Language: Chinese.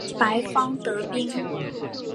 白方得兵。